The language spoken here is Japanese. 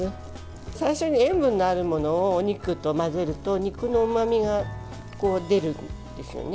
最初に塩分のあるものをお肉と混ぜると肉のうまみが出るんですね。